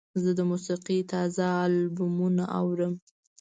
زه د موسیقۍ تازه البومونه اورم.